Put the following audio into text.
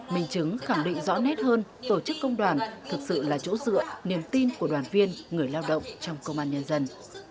mình chứng khẳng định rõ nét hơn tổ chức công đoàn thực sự là chỗ dựa niềm tin của đoàn viên người lao động trong công an nhân dân